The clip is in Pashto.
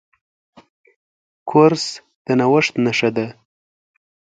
کورس د نوښت نښه ده.